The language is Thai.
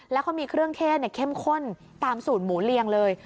แล้วเขามีเครื่องเทศเข้มข้นตามสูตรหมูเรียงเลย